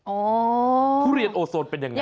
ทุเรียนโอโซนเป็นยังไง